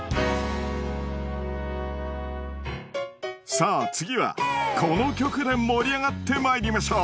さぁ次はこの曲で盛り上がってまいりましょう